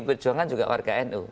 perjuangan juga warga nu